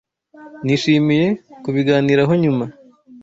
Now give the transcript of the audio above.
Nishimiye kubiganiraho nyuma.